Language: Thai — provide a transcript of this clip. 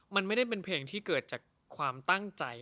มันไม่ได้เป็นเพลงที่เกิดจากความตั้งใจ